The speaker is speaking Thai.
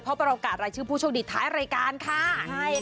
เพราะเป็นโอกาสรายชื่อผู้โชคดีท้ายรายการค่ะ